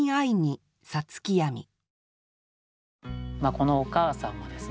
このお母さんはですね